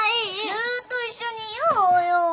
ずっと一緒にいようよ。